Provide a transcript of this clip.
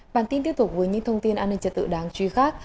bản tin tiếp tục với những thông tin an ninh trật tự đáng truy khác